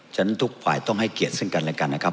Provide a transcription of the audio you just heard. ฉะนั้นทุกฝ่ายต้องให้เกียรติซึ่งกันและกันนะครับ